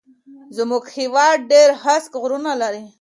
زموږ هيواد ډېر هسک غرونه لري